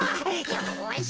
よし！